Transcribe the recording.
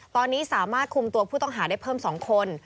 ตอนนี้สามารถคุมตัวผู้ต้องหาได้เพิ่ม๒คน